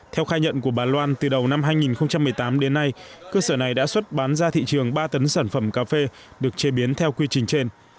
theo khai nhận của bà loan từ đầu năm hai nghìn một mươi tám đến nay cơ sở này đã xuất bán ra thị trường ba tấn sản phẩm cà phê được chế biến theo quy trình trên